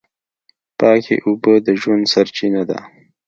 پاکې اوبه د ژوند سرچینه ده.